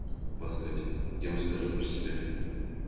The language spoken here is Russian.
Постойте, я вам скажу про себя.